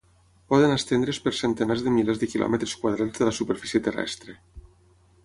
Poden estendre's per centenes de milers de quilòmetres quadrats de la superfície terrestre.